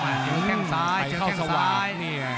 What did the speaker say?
แก้งซ้ายเจอแก้งซ้ายใกล้เข้าสวาบนี่ไง